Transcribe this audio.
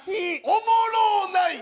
おもろうない！